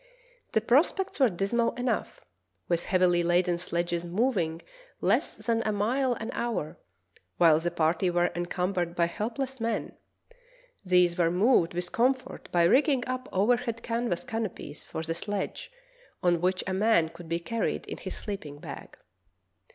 The prospects were dismal enough, with heavily laden sledges moving less than a mile an hour, while the party were encumbered by helpless men : these were moved with comfort b}' rigging up overhead canvas canopies for the sledge on which a man could be car ried in his sleeping bag.